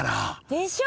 でしょ？